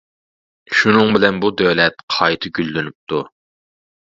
شۇنىڭ بىلەن بۇ دۆلەت قايتا گۈللىنىپتۇ.